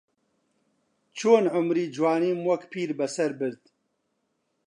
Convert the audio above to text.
چۆن عومری جوانیم وەک پیربەسەر برد